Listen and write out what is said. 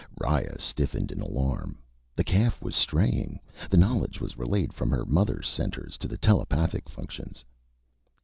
Riya stiffened in alarm. The calf was straying. The knowledge was relayed from her mother centers to the telepathic functions.